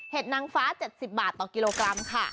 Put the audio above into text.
นางฟ้า๗๐บาทต่อกิโลกรัมค่ะ